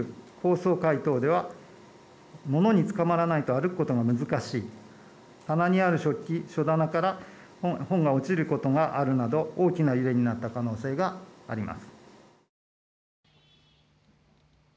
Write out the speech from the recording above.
これらの地域の高層ビル、高層階等では物につかまらないと歩くことが難しい、棚にある食器、棚から本が落ちることがあるなど大きな揺れによる影響があった可能性があります。